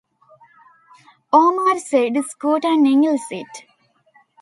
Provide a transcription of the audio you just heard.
Omar said Skoota nails it!